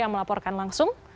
yang melaporkan langsung